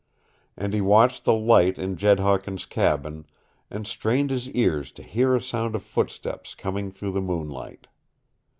And he watched the light in Jed Hawkins' cabin, and strained his ears to hear a sound of footsteps coming through the moonlight.